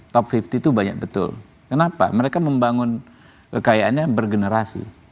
top lima puluh itu banyak betul kenapa mereka membangun kekayaannya bergenerasi